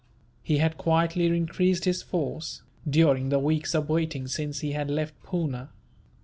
He had quietly increased his force, during the weeks of waiting since he had left Poona.